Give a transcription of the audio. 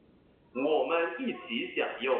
我們一起享用